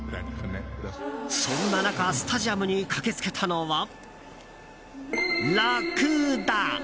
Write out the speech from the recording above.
そんな中スタジアムに駆け付けたのはラクダ。